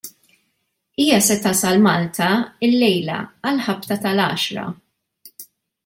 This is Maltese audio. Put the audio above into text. Hija se tasal Malta llejla għall-ħabta tal-għaxra.